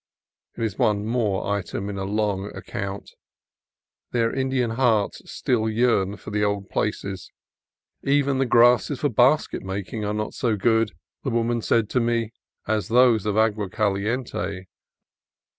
It is one more item on a long account. Their Indian hearts still yearn for the old places : even the grasses for basket making are not so good, the women said to me, as those of Agua Caliente.